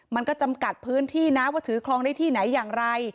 มันก็จำกัดพื้นที่นะว่าถือคลองได้ที่ไหนอย่างไร